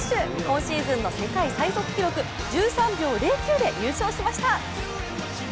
今シーズンの世界最速記録１３秒０９で優勝しました。